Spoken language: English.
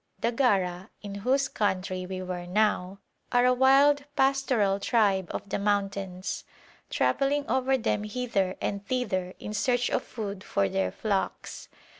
The Gara, in whose country we were now, are a wild pastoral tribe of the mountains, travelling over them hither and thither in search of food for their flocks.